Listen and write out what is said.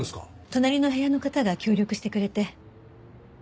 隣の部屋の方が協力してくれて。